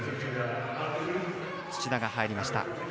土田が入りました。